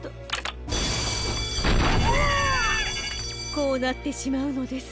こうなってしまうのです。